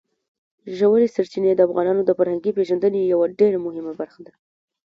ژورې سرچینې د افغانانو د فرهنګي پیژندنې یوه ډېره مهمه برخه ده.